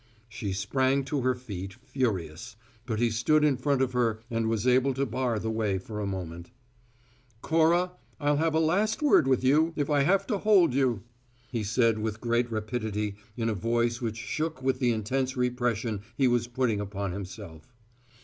She sprang to her feet, furious, but he stood in front of her and was able to bar the way for a moment. "Cora, I'll have a last word with you if I have to hold you," he said with great rapidity and in a voice which shook with the intense repression he was putting upon himself.